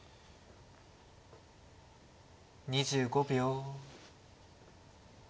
２５秒。